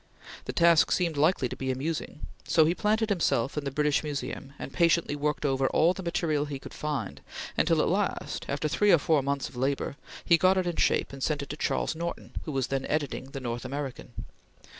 The task seemed likely to be amusing. So he planted himself in the British Museum and patiently worked over all the material he could find, until, at last, after three or four months of labor, he got it in shape and sent it to Charles Norton, who was then editing the North American.